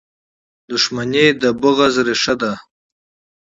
• دښمني د عداوت اساس دی.